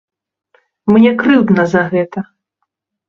Мне крыўдна за гэта.